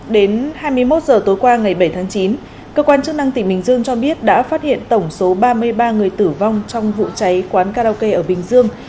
đến hai mươi một h tối qua ngày bảy tháng chín cơ quan chức năng tỉnh bình dương cho biết đã phát hiện tổng số ba mươi ba người tử vong trong vụ cháy quán karaoke ở bình dương